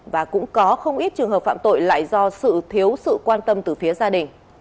và cũng có không ít trường hợp phạm tội lại do sự thiếu sự quan tâm từ phía gia đình